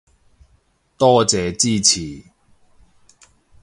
多謝支持